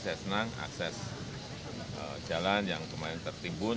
saya senang akses jalan yang kemarin tertimbun